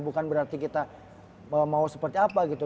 bukan berarti kita mau seperti apa gitu